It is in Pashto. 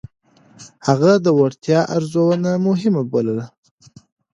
هغه د وړتيا ارزونه مهمه بلله.